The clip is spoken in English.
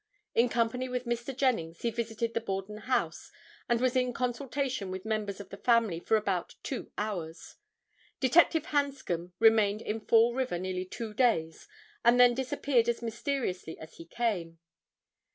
In company with Mr. Jennings he visited the Borden house and was in consultation with members of the family for about two hours. Detective Hanscom remained in Fall River nearly two days and then disappeared as mysteriously as he came.